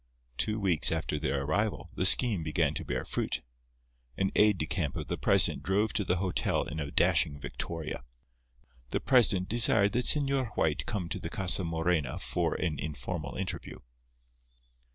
Two weeks after their arrival, the scheme began to bear fruit. An aide de camp of the president drove to the hotel in a dashing victoria. The president desired that Señor White come to the Casa Morena for an informal interview.